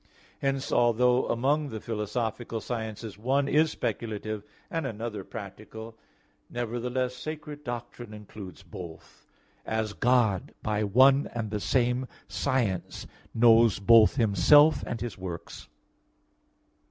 Hence, although among the philosophical sciences one is speculative and another practical, nevertheless sacred doctrine includes both; as God, by one and the same science, knows both Himself and His works.